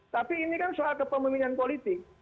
tapi ini kan soal kepemimpinan politik